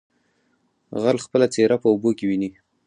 ـ غل خپله څېره په اوبو کې ويني.